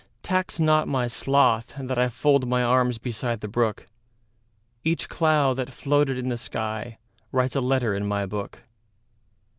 Tax not my sloth that IFold my arms beside the brook; Each cloud that floated in the skyWrites a letter in my book.